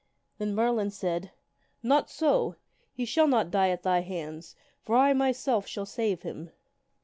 Then Merlin said, " Not so! He shall not die at thy hands, for I, my self, shall save him."